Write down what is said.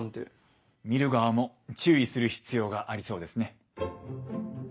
見る側も注意する必要がありそうですね。